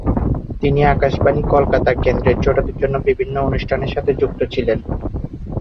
তিনি আকাশবাণী কলকাতা কেন্দ্রের ছোটদের জন্য বিভিন্ন অনুষ্ঠানের সাথে যুক্ত ছিলেন।